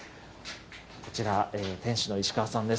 こちら、店主の石川さんです。